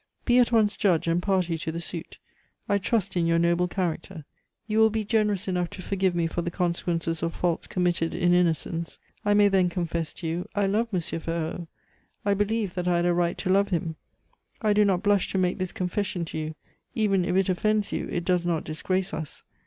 Be at once judge and party to the suit. I trust in your noble character; you will be generous enough to forgive me for the consequences of faults committed in innocence. I may then confess to you: I love M. Ferraud. I believed that I had a right to love him. I do not blush to make this confession to you; even if it offends you, it does not disgrace us.